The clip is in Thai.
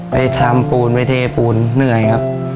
ไปทำปูนไปเทปูนเหนื่อยครับ